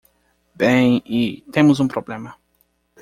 Bem,? e?, temos um problema.